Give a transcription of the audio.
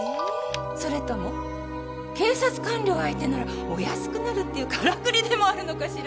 それとも警察官僚相手ならお安くなるっていうからくりでもあるのかしら？